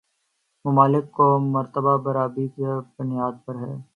ممالک کو مرتبہ برابری کی بنیاد پر ہے